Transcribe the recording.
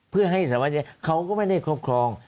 เพื่อให้สารวัญชัยเขาก็ไม่ได้ครอบครอง